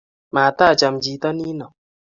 matacham chito nino